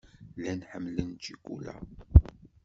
Llan ḥemmlen ccikula.